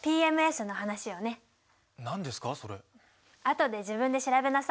あとで自分で調べなさいね。